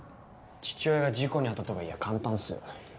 「父親が事故に遭った」とか言や簡単っすよ。